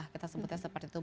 kita sebutnya seperti itu